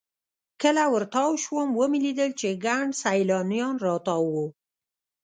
کله ورتاو سوم ومې لېدل چې ګڼ سیلانیان راتاو وو.